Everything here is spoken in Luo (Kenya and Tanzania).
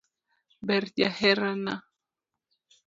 Ber jaherana.